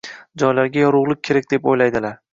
Joylarga yorug’lik kerak deb o’ylaydilar.